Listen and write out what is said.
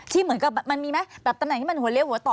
เหมือนกับมันมีไหมแบบตำแหน่งที่มันหัวเลี้ยหัวต่อ